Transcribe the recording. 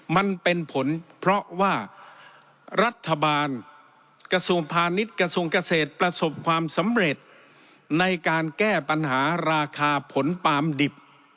มันเป็นผลเพราะว่ารัฐบาลกระทรวงพาณิชย์กระทรวงเกษตรประสบความสำเร็จในการแก้ปัญหาราคาผลปาล์มดิบ